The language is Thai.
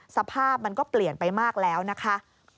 สภาพมันก็เปลี่ยนไปมากแล้วนะคะ